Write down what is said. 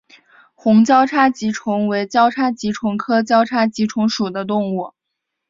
红交叉棘虫为交叉棘虫科交叉棘虫属的动物。